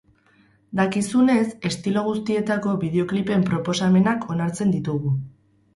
Dakizunez, estilo guztietako bideoklipen proposamenak onartzen ditugu.